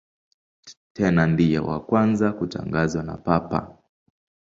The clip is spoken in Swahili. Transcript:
Tena ndiye wa kwanza kutangazwa na Papa.